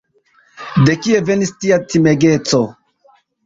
De kie venis tia timegeco?